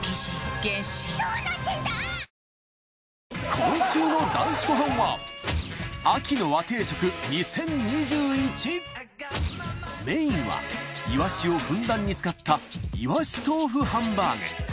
今週の『男子ごはん』はメインはイワシをふんだんに使ったイワシ豆腐ハンバーグ。